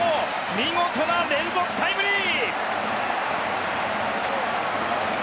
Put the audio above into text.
見事な連続タイムリー！